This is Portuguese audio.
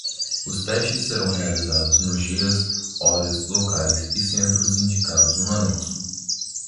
Os testes serão realizados nos dias, horas, locais e centros indicados no anexo.